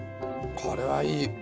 これはいい。